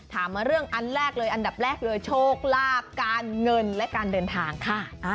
ถามมาเรื่องอันแรกเลยอันดับแรกเลยโชคลาภการเงินและการเดินทางค่ะ